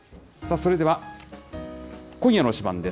それでは、今夜の推しバン！です。